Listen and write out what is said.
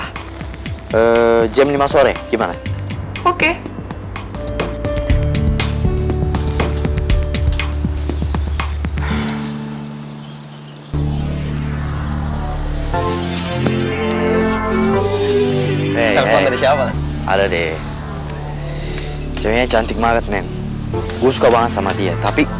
eh jam lima sore gimana oke eh ada deh cewek cantik banget menusuk banget sama dia tapi